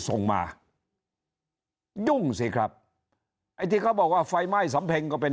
ส่งมายุ่งสิครับไอ้ที่เขาบอกว่าไฟไหม้สำเพ็งก็เป็น